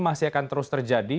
masih akan terus terjadi